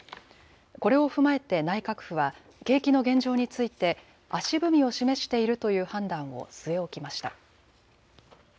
これを踏まえて内閣府は景気の現状について足踏みを示しているという判断を据え置きました。